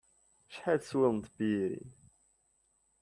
Acḥal teswiḍ n tebyirin?